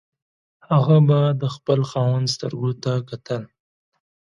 هغه به د خپل خاوند سترګو ته کتل.